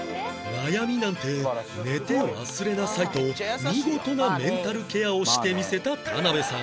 悩みなんて寝て忘れなさいと見事なメンタルケアをして見せた田辺さん